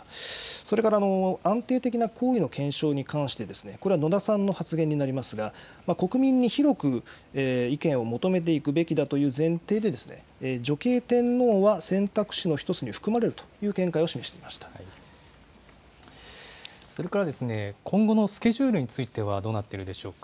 それから安定的な皇位の継承に関してですね、これは野田さんの発言になりますが、国民に広く意見を求めていくべきだという前提でですね、女系天皇は選択肢の一つに含まれるという見解を示していそれからですね、今後のスケジュールについては、どうなっているんでしょうか。